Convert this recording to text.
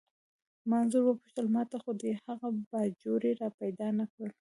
ما انځور وپوښتل: ما ته خو دې هغه باجوړی را پیدا نه کړ؟